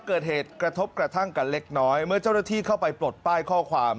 เกิดเหตุกระทบกระทั่งกันเล็กน้อยเมื่อเจ้าหน้าที่เข้าไปปลดป้ายข้อความ